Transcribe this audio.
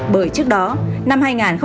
bởi trước đó năm hai nghìn một mươi sáu